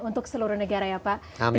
untuk seluruh negara ya pak